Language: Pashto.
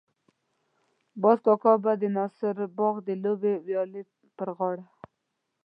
باز کاکا به د ناصر باغ د لویې ويالې پر غاړه.